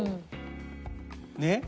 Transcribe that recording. ねっ。